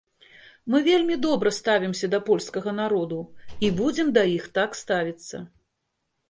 Мы вельмі добра ставімся да польскага народу і будзем да іх так ставіцца.